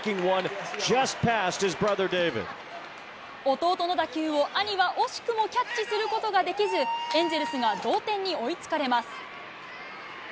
弟の打球を、兄は惜しくもキャッチすることができず、エンゼルスが同点に追いつかれます。